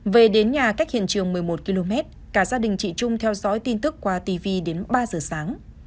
về đến nhà cách hiện trường một mươi một km cả gia đình chị trung theo dõi tin tức qua tv đến ba giờ sáng